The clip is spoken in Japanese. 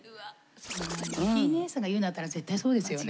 摩季ネェさんが言うんだったら絶対そうですよね。